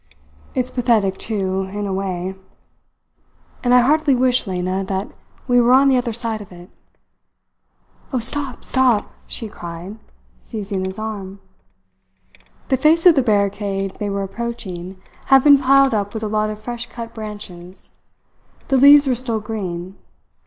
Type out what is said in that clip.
It's pathetic, too, in a way. And I heartily wish, Lena, that we were on the other side of it." "Oh, stop, stop!" she cried, seizing his arm. The face of the barricade they were approaching had been piled up with a lot of fresh cut branches. The leaves were still green.